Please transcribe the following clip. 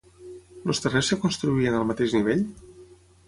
Els terrers es construïen al mateix nivell?